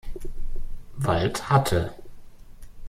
Wald hatte.